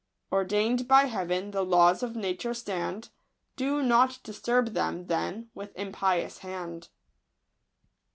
Ordain'd by Heaven the laws of nature stand ; Do not disturb them, then, with impious hand.